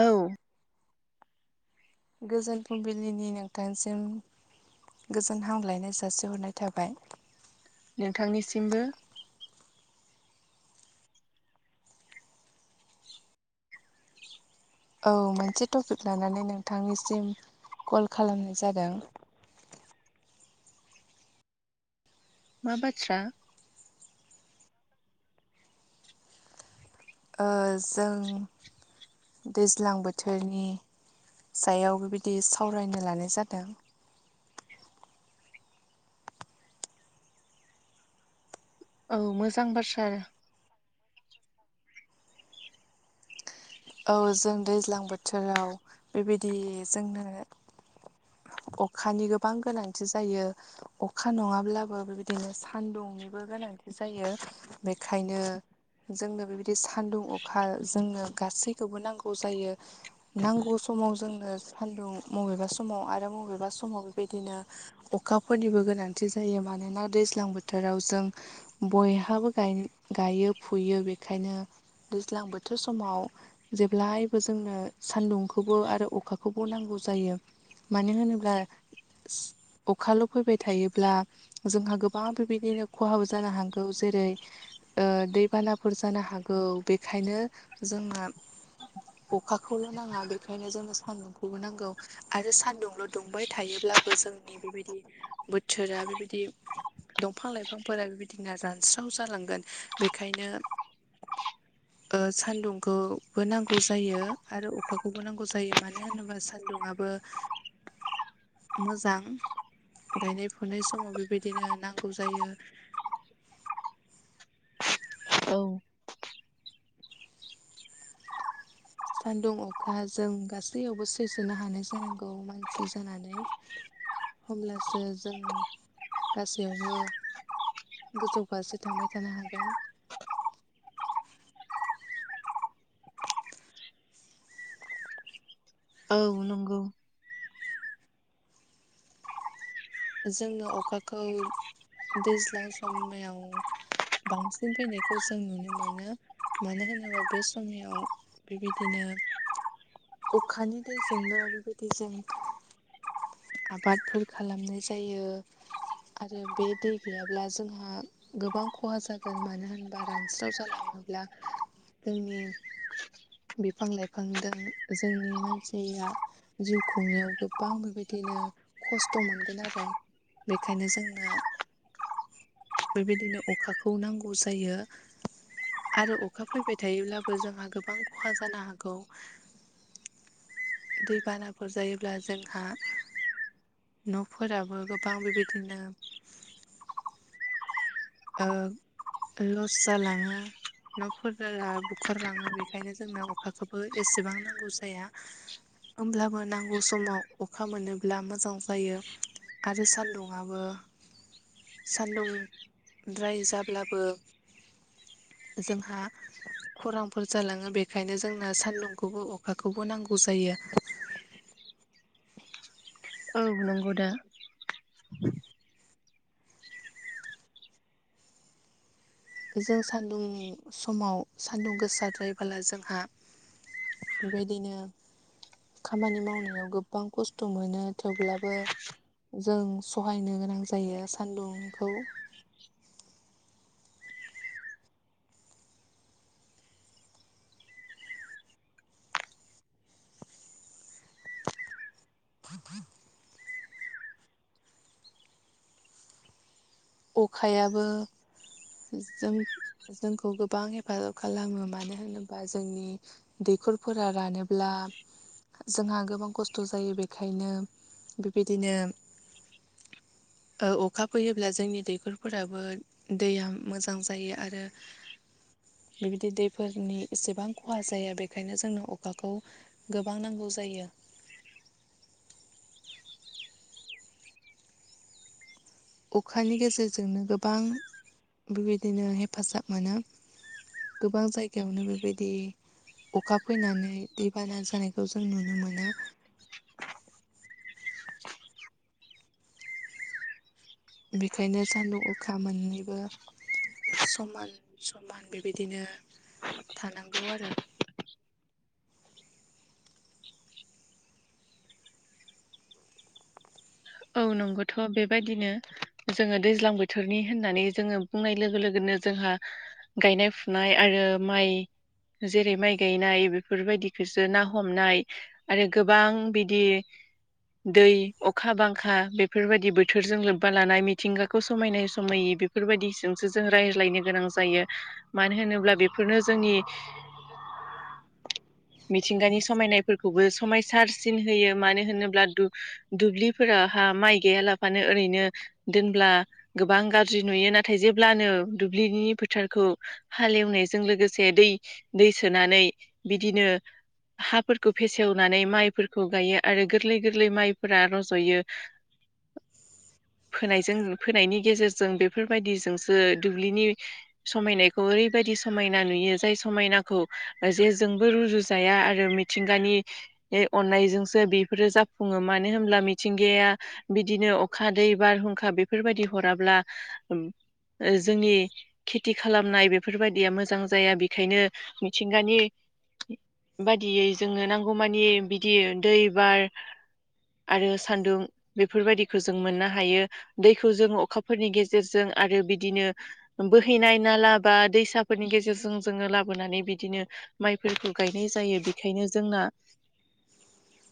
औ। गोजोन फुंबिलिनि नोंथांसिम। गोजोन हामग्लायनाय जासिहरनाय थाबाय। नोंथांनिसिमबो। औ मोनसे टपिक लानानै नोंथांनिसिम कल खालामनाय जादों। [inaudible] मा बाथ्रा? ओजों दैज्लां बोथोरनि सायाव बिबादि सावरायनो लानाय जादों। औ मोजां बाथ्रा। औ जों दैज्लां बोथोराव बेबायदि जोंनो अखानि गोबां गोनांथि जायो। अखा नङाब्लाबो बेबादिनो सानदुंनिबो गोनां गोनांथि जायो बेखायनो जोंनो बेबायदि सानदुं अखा जोंनो गासै खौबो नांगौ जायो। नांगौ समाव जोंनो सान्दुं मबेबा समाव आरो मबेबा स समाव बेबायदिनो अखाफोरनिबो गोनांथि जायो। मानोना दैज्लां बोथोराव जों बयहाबो गाय गायो फुयो बेखायनो दैज्लां बोथोर समाव जेब्लायबो जोंनो सान्दुंखौबो आरो अखाखौबो नांगौ जायो। मानो होनोब्ला अखाल' फैबाय थायोब्ला जोंहा गोबां बेबायदिनो खहाब जानो हागौ। जेरै ओ दैबानाफोर जानो हागौ। बेखायनो जोंहा अखाखौल' नाङा, बेखायनो जोंनो सान्दुंखौबो नांगौ आरो सान्दुंल' दुंबाय थायोब्ला जोंनि बेबायदि बोथोरा बेबायदि दंफां लाइफांफोरा बेबायदिना रानस्राव जालांगोन। बेखायनो ओ सान्दुंखौ बो नांगौ जायो आरो अखाखौबो नांगौ जायो। मानो होनोबा सान्दुङाबो मोजां। गायनाय फुनाय समाव बेबायदिनो नांगौ जायो। [inaudible] औ सान्दुं अखा जों गासैयावबो सैसोनो हानाय जानांगौ मानसि जानानै। हब्लासो जों गासैयावबो गोजौ फारसे थांबाय थानो हागोन। औ नंगौ। जोंनो अखाखौ दैज्लां समायाव बांसिन फैनायखौ जों नुनो मोनो। मानो होनोबा बे समयाव बेबायदिनो अखानि दै जोंनो आरो [unintelligible] जायो आबादफोर खालामनाय जायो। आरो बे दै गैयाब्ला जोंहा गोबां खहा जागोन मानो होनबा रानस्राव जालां [unintelligible] माब्ला जोंनि बिफां लाइफांदों जोंनि मानसिया जिउ खुंनायाव गोबां बेबायदि बिदिनो खस्थ' मोनगोन आरो बेखायनो जोंनो बेबायदिनो अखाखौ नांगौ जायो। आरो अखा फैबाय थायोब्लाबो जोंहा गोबां खहा जानो हागौ। दैबानाफोर जायोब्ला जोंहा न'फोराबो गोबां बेबायदिनो ओ लस जालाङो। न'फोरा बुखारलाङो बेखायनो जोंनो अखाखोबो एसेबां नांगौ जाया। ओमब्लाबो नांगौ समाव अखा मोनोब्ला मोजां जायो। आरो सान्दुङाबो सान्दुं द्राय जाब्लाबो जोंहा खरांफोर जालाङो बेखायनो जोंनो सान्दुंखौबो अखाखौबो नांगौ जायो। औ नंगौ दा। जों सान्दुं समाव सान्दुं गोसाद्रायबाला जोंहा बेबायदिनो खामानि मावनायाव गोब्बां खस्थ' मोनो थेवब्लाबो जों सहायनो गोनां जायो सान्दुंखौ। [inaudible] अखायाबो जों जोंखौ गोबां हेफाजाब खालामो मानो होनोबा जोंनि दैखरफोरा रानोब्ला बा जोंहा गोबां खस्थ' जायो बेखायनो बेबायदिनो ओ अखा फैयोब्ला जोंनि दैखरफोराबो दैया मोजां जायो आरो बेबायदि दैफोरनि एसेबां खहा जाया। बेखायनो जोंनो अखाखौ गोबां नांगौ जायो। अखानि गेजेरजोंनो गोबां बेबायदिनो हेफाजाब मोनो। गोबां जायगायावनो बेबायदि अखा फैनानै दैबाना जानायखौ जों नुनो मोनो। बेखायनो सान्दुं अखा मोननैबो समान समान बेबायदिनो थानांगौ आरो। औ नंगौथ' बेबायदिनो जोङो दैज्लां बोथोरनि होननानै जोङो बुंनाय लोगो लोगोनो जोंहा गायनाय फुनाय आरो माइ जेरै माइ गायनाय बेफोरबायदिखौसो ना हमनाय आरो गोबां बिदि दै अखा बां आखा बेफोरबायदि बोथोरजों लोब्बा लानाय मिथिंगाखौ समायनाय समायि बेफोरबायदिजोंसो जों रायजो सायनो गोनां जायो। मानो होनोब्ला बेफोरनो जोंनि [inaudible] मिथिंगानि समायनायफोरखौबो समायसारसिन होयो मानो होनोब्ला, दुब्लिफोराव बेवहाय माइ गायालाबानो ओरैनो दोनब्ला गोबां गाज्रि नुयो, नाथाय जेब्लानो दुब्लिनि फोथारखौ हालेवनायजों लोगोसे दै, सोनानै बिदिनो ़ [inaudible] हाफोरखौ फेसेवनानै माइफोरखौ गायो आरो गोरलै-गोरलै माइफोरा रज'यो ़ [inaudible] फोनायजों, फोनायनि गेजेरजों बेफोरबायदिजोंसो दुब्लिनि समायनाखौ ओरै बायदि समायना नुयो। जाया समायनाखो [unintelligible] जाया आरो मिथिंगानि बे अन्नाय जोंसो बेफोरो जाफुंङो। मानो होनब्ला मिथिंगाया दा बिदिनो अ'खा, दै, बारहुंखा बेफोर बायदि हराब्ला ओ जोंनि खेथि खालामनाय बेफोर बायदिया मोजां जाया। बेखायनो मिथिंगानि ़ [inaudible] बायदियै जोंनो नांगौमानि बिदि दै, बार आरो सान्दुं बेफोर बायदिखौ जों मोननो हायो। दैखौव जों अखाफोरनि गेजेरजों आरो बिदिनो बोहैनाय नाला बा दैसाफोरनि गेजेरजों जोंङो लाबोनानै बिदिनो माइफोरखौ गायनाय जायो। बेनिखायनो जोंना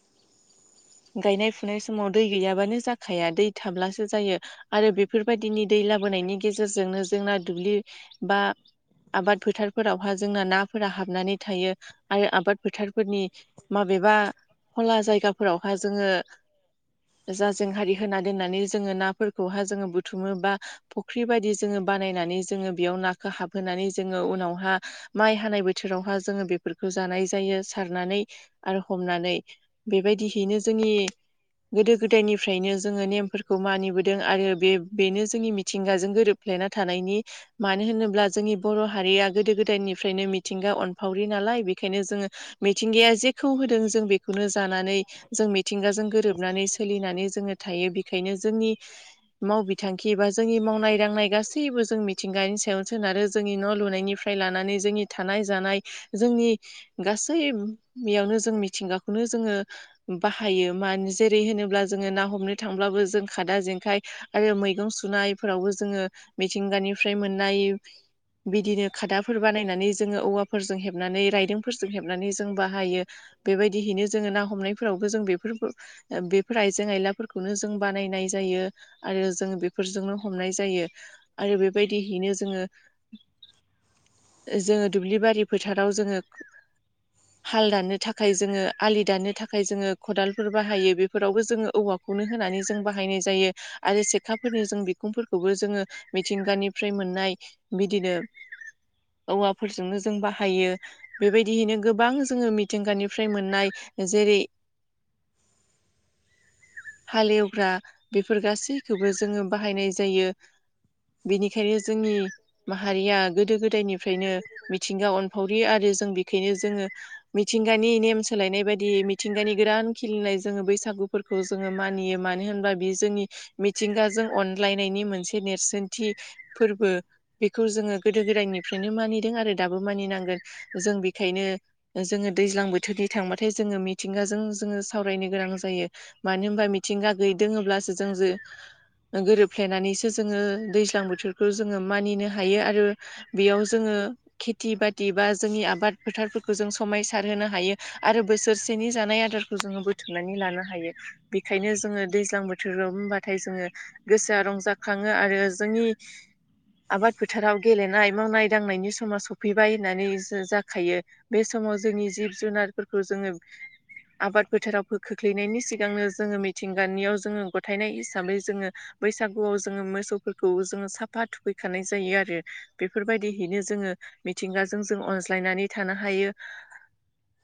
[inaudible] गायनाय-फुनाय समाव दै गैयाबानो जाखाया। दै थाब्लासो जायो आरो बेफोर बायदिनि दै लाबोनायनि गेजेरजोंनो जोंना दुब्लि बा- आबाद फोथारफोरावहाय जोंना ना फोरा हाबनानै थायो। आरो आबाद फोथारफोरनि माबेबा, खला जायगाफोरावहाय जोंङो [unintelligible] ज जेंहारि होना दोननानै जोंङो नाफोरखौहाय जोंङो बुथुमो बा, फुख्रि बायदि जोंङो बानायनानै जोंङो बेयाव नाखौ हाबहोनानै जोंङो उनावहाय, माइ हानाय बोथोरावहाय जोंङो बेफोरखौ जानाय जायो सारनानै आरो हमनानै। बेबायदियैनो जोंनि, गोदो-गोदायनिफ्रायनो जोंङो नेमफोरखौ मानिबोदों आरो बे बेनो जोंनि मिथिंगाजों गोरोब थानायनि। मानो होनोब्ला जोंनि बर' हारिया गोदो-गोदायनिफ्रायनो मिथिंगा अनफावरि नालाय, बेखायनो जोंङो मिथिंगाया जेखौ होदों जों बेखौनो जानानै जों मिथिंगाजों गोरोंब जोबनानै सोलिनानै जोंङो थायो। बेनिखायनो जोंनि, माव बिथांखि एबा जोंनि मावनाय- दांनाय गासैबो जों मिथिंगानि सायावनो सोनारो जोंनि न' लुनायनिफ्राय लानानै जोंनि थानाय-जानाय जोंनि गासैयावनो जों मिथिंगाखौनो जोंङो बाहायो मान- जेरै होनोब्ला जोंङो ना हमनो थांब्लाबो जों खादा-जेंखाय आरो मैगं सुनायफोरावबो जोंङो मिथिंगानिफ्राय मोननाय बिदिनो खादाफोर बानायनानै जोंङो औवाफोर- हेबनानै, रायदोंफोरजों हेबनानै जों बाहायो। बेबायदिहैनो जोंङो ना हमनायफोरावबो जों बेफोरखो बेफोर आइजें-आयलाफोरखौनो जों बानायनाय जायो आरो जों बेफोरजोंनो हमनाय जायो। आरो बेबायदियैनो जोंङो, जोंङो दुब्लि बारि- फोथाराव जोंङो। हाल दाननो थाखाय जोंङो, आलि दाननो थाखाय जोंङो खदालफोर बाहायो बेफोरावबो जोंङो औवाखौ बिखौनो होनानै जों बाहायनाय जायो आरो सेखाफोरनि जों बिखुंफोरखौबो जोंङो मिथिंगानि- मोनाय बिदिनो, औवाफोर जों बायो। बेबायदियैनो गोबां जोंङो मिथिंगानिफ्राय मोननाय जेरै- ़ [inaudible] हाल एवग्रा बेफोर गासैखोबो जोंङो बाहायनाय जायो। बिनिखायनो जोंनि माहारिया गोदो गोदायनिफ्रायनो मिथ ओ अनफावरि आरो जों बेखायनो जोंङो मिथिंगानि नेम सोलायनाय बादि मिथिंगानि गोरान खिलिनाय जोंङो बैसागुफोरखौ जोंङो मानियो मानो होनबा बेयो जोंनि मिथिंगाजों अन सोलायनायनि मोनसे नेरसोनथि फोरबो बेखौ जोंङो गोदो गोदाय निफ्रायनो मानिदों आरो दाबो मानिनांगोन जों बेखायनो ओ जोङो दैज्लां बोथोरनि थांबाथाय जोङो मिथिंगाजों जोङो सावरायनो गोनां जायो मानो होनबा मिथिंगा गैयै दोङोब्लासो जों जो ओ गोरोबफ्लेनानैसो जोङो दैज्लां बोथोरखौ जोङो मानिनो हायो आरो बेयाव जोङो खेथि बाथि बा जोंनि आबाद फोथारफोरखौ जों समायसारहोनो हायो आरो बोसोरसेनि जानाय आदार फोरखौ जोङो बुथुमनानै लानो हायो बेखायनो जोङो दैज्लां बोथोराव होनबाथाय जोङो गोसोआ ओ रंजाखाङो आरो जोंनि आबाद फोथाराव गेलेनाय मावनाय दांनायनि समा सफ फैबाय होननानै जो जाखायो बे समाव जोंनि जिब जुनारफोरखौ जोङो आबाद फोथाराव खो खोख्लैनायनि सिगांनो जोङो मिथिंगानियाव जोङो गथायनाय हिसाबै जोङो बैसागुआव जोङो मोसौफोरखौ जोङो साफा थुखैखानाय जायो आरो बेफोरबायदिहैनो जोङो मिथिंगाजों जों अनज्लायनानै थानो हायो।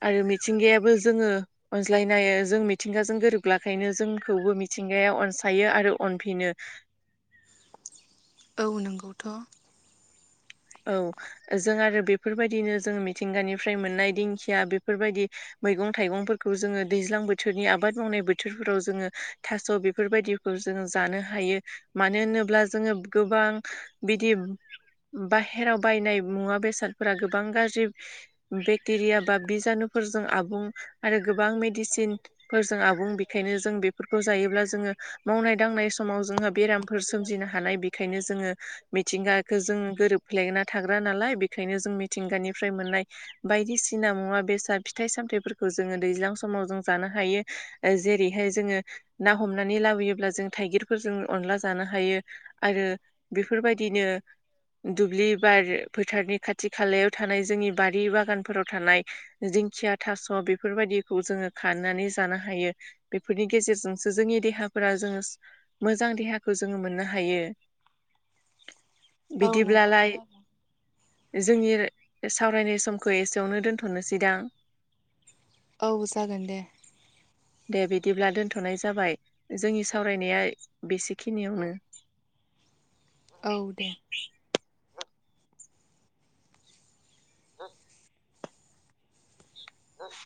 आरो मिथिंगायाबो जोङो अनज्लायनो हायो जों मिथिंगाजों गोरोबलाखायनो जोंखौबो बि मिथिंगाया अनसायो आरो अनफिनो। औ नोंगौथ' औ ओ जों आरो बेफोरबायदिनो जों मिथिंगानिफ्राय मोननाय दिंखिया बेफोरबायदि मैगं थाइगंफोरखौ जोङो दैज्लां बोथोरनि आबाद मावनाय बोथोरफोराव जोङो थास' बेफोरबायदिखौ जोङो जानो हायो मानो होनोब्ला जोङो गोबां बिदि ओ बाहेराव बायनाय मुवा बेसादफोरा गोबां गाज्रि बेक्टेरिया बा बिजानुफोर जों आबुं आरो गोबां मेडिसिनफोरजों आबुं बेखायनो जों बेफोरखौ जायोब्ला जोङो खा मावनाय दांनाय समाव जोंहा बेरामफोर सोमजिनो हानाय बेखायनो जोङो मिथिंगाखो जों बेंना थाग्रा नालाय बेखायनो जों मिथिंगानि मोननाय बायदिसिना मुवा बेसाद फिथाइ सामथाइ फोरखौ जोंङो दैज्लां समाव जों जानो हायो ओ जेरैहाय जोङो ना हमनानै लाबोयोब्ला जो जों थाइगिरफोरजों अनला जानो हायो आरो बेफोरबायदिनो दुब्लि बारो फोथारनि खाथि खालायाव थानाय जोंनि बारि बागानफोराव थानाय जिं दिंखिया थास' बेफोरबायदिखौ जोङो खानानै जानो हायो बेफोरनि गेजेरजोंसो जोंनि देहा ना फोरा जोङोस मोजां देहाखौ जोङो मोननो हायो‌ औ नंगौथ' आरो ओ जोंनि ओ सावरायनाय समखो एसेयावनो दोनथ'नोसैदां। औ जागोन दे दे बिदिब्ला दोनथ'नाय जाबाय ओ जोंनि सावरायनाया बेसेखिनियावनो [inaudible] औ दे ओ ओफ